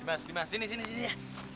dimas dimas sini sini sini ya